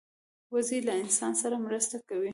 وزې له انسان سره مرسته کوي